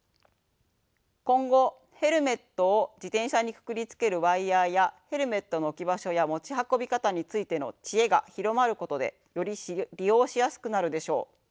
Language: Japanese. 今後ヘルメットを自転車にくくりつけるワイヤーやヘルメットの置き場所や持ち運び方についての知恵が広まることでより利用しやすくなるでしょう。